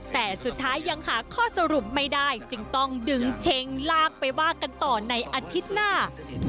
แต่สุดท้ายยังหาข้อสรุปไม่ได้จึงต้องดึงเชงลากไปว่ากันต่อในอาทิตย์หน้า